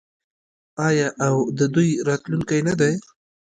آیا او د دوی راتلونکی نه دی؟